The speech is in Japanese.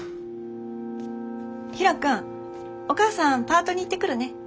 ヒロくんお母さんパートに行ってくるね。